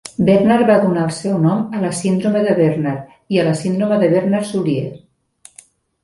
Bernard va donar el seu nom a la síndrome de Bernard i a la síndrome de Bernard-Soulier.